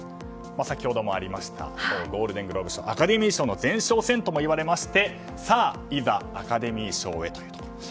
先ほどもありましたゴールデングローブ賞アカデミー賞の前哨戦ともいわれましてさあ、いざアカデミー賞へというところ。